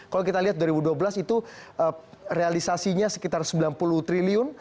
kalau kita lihat dua ribu dua belas itu realisasinya sekitar sembilan puluh triliun